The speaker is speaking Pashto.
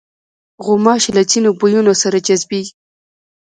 غوماشې له ځینو بویونو سره جذبېږي.